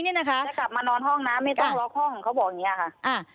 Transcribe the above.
จะกลับมานอนห้องนะไม่ต้องล็อกห้องเขาบอกอย่างนี้ค่ะอ่า